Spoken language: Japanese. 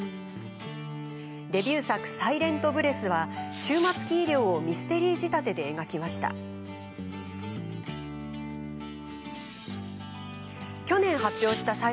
デビュー作「サイレント・ブレス」は終末期医療をミステリー仕立てで描きました。